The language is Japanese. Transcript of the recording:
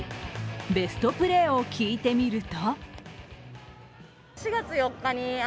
ベストプレーを聞いてみると。